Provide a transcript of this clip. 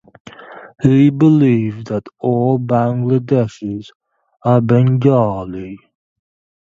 He believed that all Bangladeshis are Bengali.